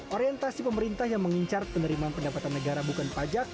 orientasi pemerintah yang mengincar penerimaan pendapatan negara bukan pajak